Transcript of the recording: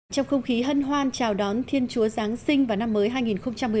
trong không khí hân hoan chào đón thiên chúa giáng sinh vào năm mới hai nghìn một mươi bảy